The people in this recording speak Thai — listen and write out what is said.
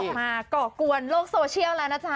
มาก่อกวนโลกโซเชียลแล้วนะจ๊ะ